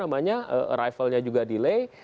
akhirnya ke tempat arrivalnya juga delay